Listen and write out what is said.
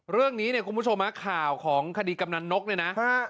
เรื่องนี้เนี่ยคุณผู้ชมฮะข่าวของคดีกำนันนกเนี่ยนะ